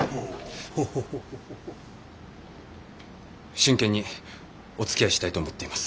真剣におつきあいしたいと思っています。